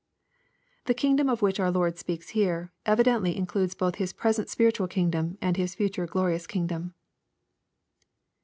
The kingdom of which our Lord speaks here, evidently includes both His present spiritual kingdom and His future glorious king dom.